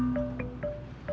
ke belanda mereka teman kita